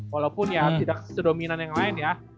walaupun ya tidak sesedominan yang lain ya